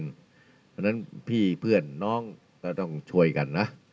เพราะฉะนั้นพี่เพื่อนน้องก็ต้องช่วยกันนะ